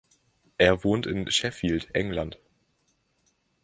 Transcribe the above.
Er wohnt in Sheffield England.